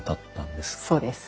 そうです。